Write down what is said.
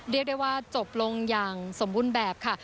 เรียกได้ว่าจบลงอย่างสมบูรณ์แบบค่ะ